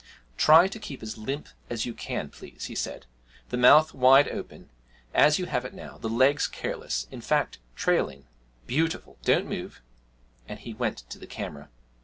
'Try to keep as limp as you can, please,' he said, 'the mouth wide open, as you have it now, the legs careless in fact, trailing. Beautiful! don't move.' And he went to the camera.